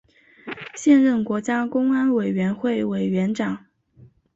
现任国家公安委员会委员长。